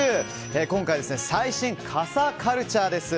今回は最新傘カルチャーです。